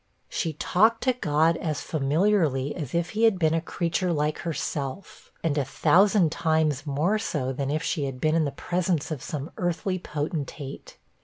She talked to God as familiarly as if he had been a creature like herself; and a thousand times more so, than if she had been in the presence of some earthly potentate.